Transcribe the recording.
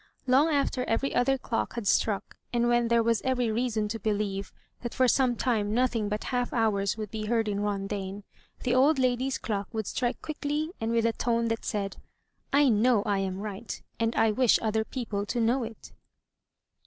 Long after every other clock had struck, and when there was every reason to believe that for some time nothing but half hours would be heard in Rondaine, the old lady*s clock would strike quickly and with a tone that said, "I know I am right, and I wish other people to know it."